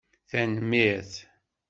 Tanemmirt